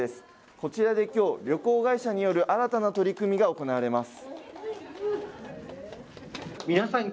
こちらできょう、旅行会社による新たな取り組みが行われます。